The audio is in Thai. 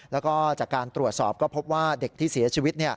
แล้วก็จากการตรวจสอบก็พบว่าเด็กที่เสียชีวิต